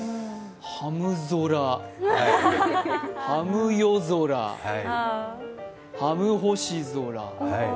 ハム空、ハム夜空、ハム星空。